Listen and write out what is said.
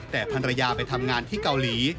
แต่ภรรยาไปทำงานที่เกาหลี